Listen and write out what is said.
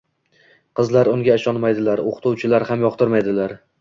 Qizlar unga ishonmaydilar, o‘qituvchilar ham yoqtirmaydilar.